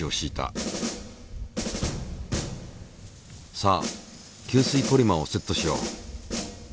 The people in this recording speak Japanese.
さあ吸水ポリマーをセットしよう。